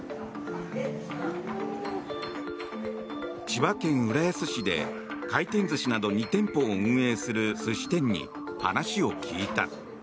千葉県浦安市で回転寿司など２店舗を運営する寿司店に話を聞いた。